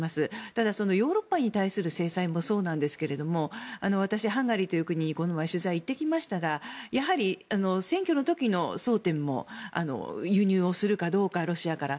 ただ、ヨーロッパに対する制裁もそうなんですが私、ハンガリーという国にこの前、取材に行ってきましたがやはり選挙の時の争点も輸入するかどうかロシアから。